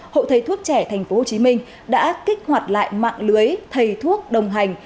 hội thầy thuốc trẻ tp hcm đã kích hoạt lại mạng lưới thầy thuốc đồng hành